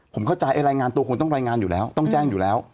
ผมเข้าใจรายงานตัวคงต้องรายงานอยู่แล้วต้องแจ้งอยู่แล้ว